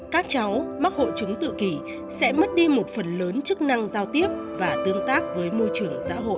các cháu mắc hội chứng tự kỷ sẽ mất đi một phần lớn chức năng giao tiếp và tự do